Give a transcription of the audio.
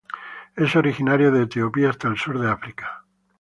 Es originario de Etiopía hasta el sur de África.